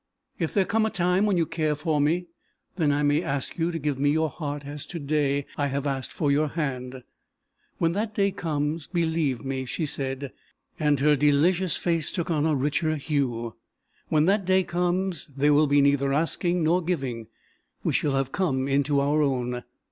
If there come a time when you care for me, then I may ask you to give me your heart as to day I have asked for your hand?" "When that day comes, believe me," she said, and her delicious face took on a richer hue, "when that day comes there will be neither asking nor giving, we shall have come into our own."